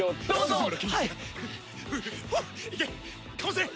どうぞ！